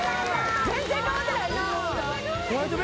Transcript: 全然変わってないな。